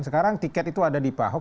sekarang tiket itu ada di pak ahok